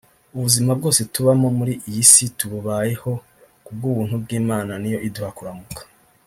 Ubuzima bwose tubamo muri iyi si tububayeho ku bw’ubuntu bw’Imana niyo iduha kuramuka